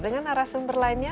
dengan narasumber lainnya